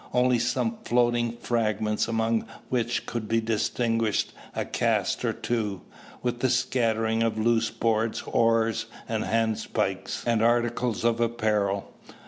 Only some floating fragments; among which could be distinguished a cask or two, with a scattering of loose boards, oars, handspikes, and articles of apparel.